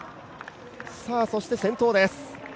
そして先頭です。